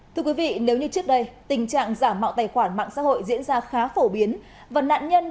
thưa quý vị nếu như trước đây tình trạng giả mạo tài khoản mạng xã hội diễn ra khá phổ biến